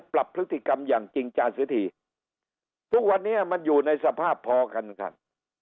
ปรับพฤติกรรมอย่างจริงจานเสียทีทุกวันนี้มันอยู่ในสภาพพอกันครับ